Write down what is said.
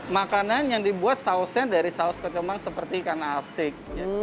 makanan yang dibuat sausnya dari saus kecomang seperti ikan asik